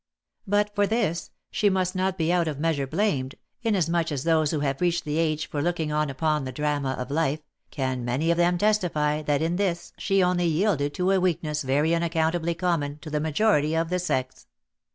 But for this, she must not be out of measure blamed, inasmuch as those who have reached the age for looking on upon the drama of life, can many of them testify that in this she only yielded to a weak ness very unaccountably common to the majority of the sex.